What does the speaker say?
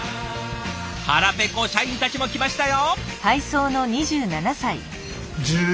腹ぺこ社員たちも来ましたよ！